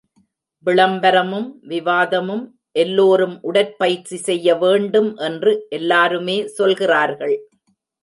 விளம்பரமும் விவாதமும் எல்லோரும் உடற்பயிற்சி செய்ய வேண்டும் என்று எல்லாருமே சொல்கிறார்கள்.